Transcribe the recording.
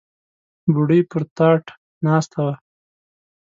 بوډۍ پر تاټ ناسته وه.